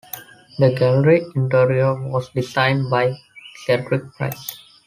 The gallery interior was designed by Cedric Price.